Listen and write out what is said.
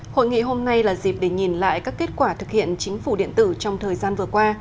hội nghị hôm nay là dịp để nhìn lại các kết quả thực hiện chính phủ điện tử trong thời gian vừa qua